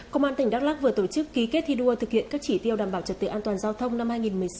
công an tỉnh đắk lắc vừa tổ chức ký kết thi đua thực hiện các chỉ tiêu đảm bảo trật tự an toàn giao thông năm hai nghìn một mươi sáu